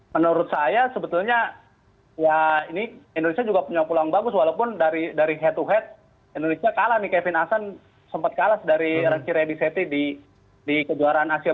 menurut saya sebetulnya ya ini indonesia juga punya peluang bagus walaupun dari head to head indonesia kalah nih kevin hasan sempat kalah dari ranki ready setty di kejuaraan asia